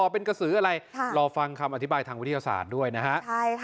เป็นกระสืออะไรรอฟังคำอธิบายทางวิทยาศาสตร์ด้วยนะฮะ